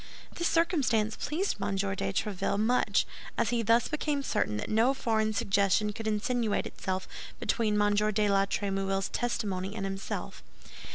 This circumstance pleased M. de Tréville much, as he thus became certain that no foreign suggestion could insinuate itself between M. de la Trémouille's testimony and himself.